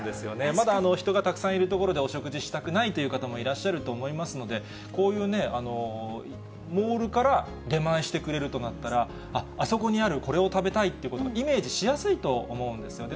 まだ人がたくさんいる所でお食事したくないという方もいらっしゃると思いますので、こういうモールから出前してくれるとなったら、あそこにあるこれを食べたいっていうことがイメージしやすいと思うんですよね。